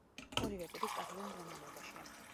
ორივე პირი სტაბილურ მდგომარეობაშია.